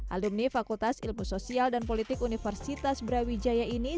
alumni fakultas ilmu sosial dan politik universitas brawijaya ini